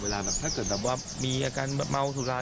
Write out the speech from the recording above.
ถ้าเกิดเกิดแบบว่ามีอาการเม้าทุคลา